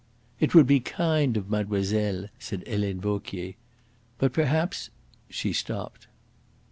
"It would be kind of mademoiselle," said Helene Vauquier. "But perhaps " She stopped.